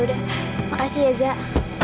yaudah makasih ya zak